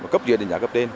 cấp dưới đánh giá cấp trên